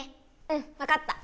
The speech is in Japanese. うんわかった。